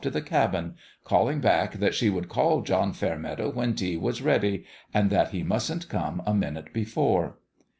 to the cabin, calling back that she would call John Fairmeadow when tea was ready, and that he mustn't come a minute before.